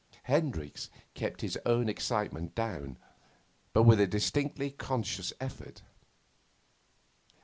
Hendricks kept his own excitement down, but with a distinctly conscious effort.